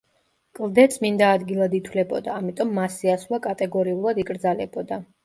კლდე წმიდა ადგილად ითვლებოდა, ამიტომ მასზე ასვლა კატეგორიულად იკრძალებოდა.